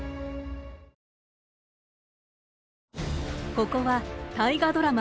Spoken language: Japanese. ここは大河ドラマ